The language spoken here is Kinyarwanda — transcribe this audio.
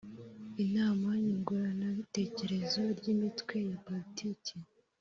inama Nyunguranabitekerezo ry Imitwe ya Politiki